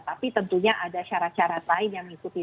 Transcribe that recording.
tapi tentunya ada syarat syarat lain yang mengikuti